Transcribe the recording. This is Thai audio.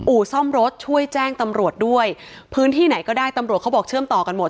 อู่ซ่อมรถช่วยแจ้งตำรวจด้วยพื้นที่ไหนก็ได้ตำรวจเขาบอกเชื่อมต่อกันหมด